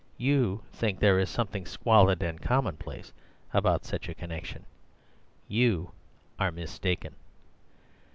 You think there is something squalid and commonplace about such a connection. You are mistaken.